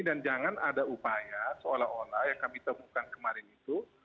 dan jangan ada upaya seolah olah yang kami temukan kemarin itu